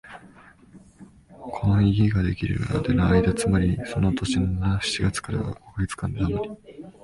この家ができるまでの間、つまりその年の七月から五カ月間あまり、